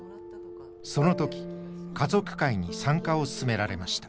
その時家族会に参加を勧められました。